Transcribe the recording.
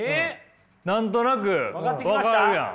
何となく分かるやん。